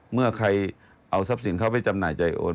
เมื่อใครเอาทรัพย์สินเขาไปจำหน่ายใจโอน